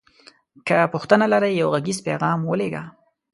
که پوښتنه لری یو غږیز پیغام ولیږه